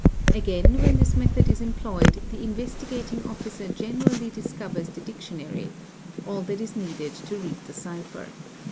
7 Again, when this method is employed, the Investigating Officer generally ' di scovers the dictionary—all that is needed to read the cipher.